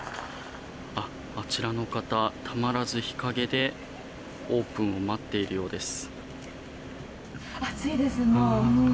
あちらの方、たまらず日陰でオープンを待っているようです。